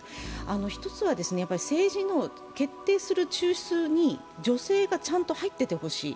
一つは、政治の決定する中枢に女性がちゃんと入っててほしい。